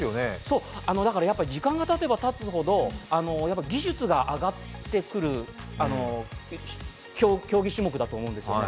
そう、やっぱり時間がたてばたつほど技術が上がってくる競技種目だと思うんです。